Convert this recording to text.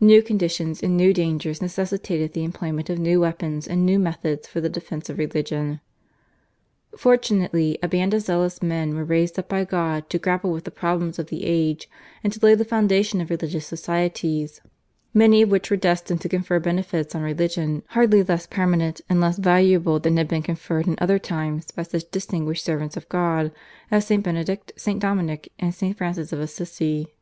New conditions and new dangers necessitated the employment of new weapons and new methods for the defence of religion. Fortunately a band of zealous men were raised up by God to grapple with the problems of the age, and to lay the foundation of religious societies, many of which were destined to confer benefits on religion hardly less permanent and less valuable than had been conferred in other times by such distinguished servants of God as St. Benedict, St. Dominic, and St. Francis of Assisi.